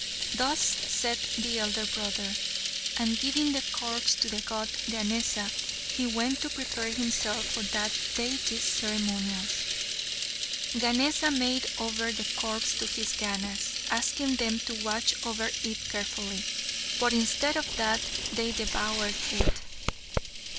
Thus said the elder brother, and, giving the corpse to the god Ganesa, he went to prepare himself for that deity's ceremonials. Ganesa made over the corpse to his Ganas, asking them to watch over it carefully. But instead of that they devoured it.